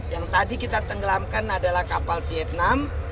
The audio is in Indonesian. yang tadi kita tenggelamkan adalah kapal vietnam